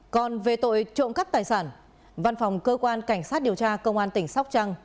còn về tội trộm cắt tài sản văn phòng cơ quan cảnh sát điều tra công an tỉnh sóc trăng